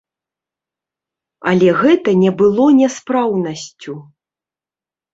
Але гэта не было няспраўнасцю.